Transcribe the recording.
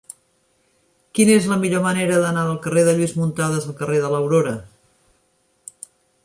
Quina és la millor manera d'anar del carrer de Lluís Muntadas al carrer de l'Aurora?